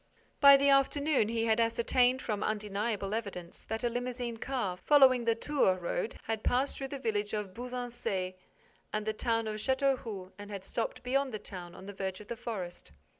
By the afternoon, he had ascertained, from undeniable evidence, that a limousine car, following the Tours road, had passed through the village of Buzancais and the town of Châteauroux and had stopped beyond the town, on the verge of the forest.